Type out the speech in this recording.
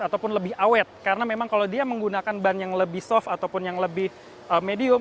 ataupun lebih awet karena memang kalau dia menggunakan ban yang lebih soft ataupun yang lebih medium